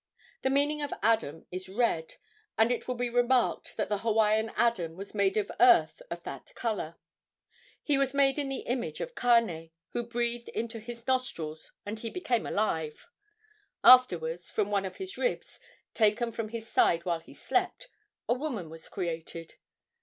The meaning of Adam is red, and it will be remarked that the Hawaiian Adam was made of earth of that color. He was made in the image of Kane, who breathed into his nostrils, and he became alive. Afterwards, from one of his ribs, taken from his side while he slept, a woman was created.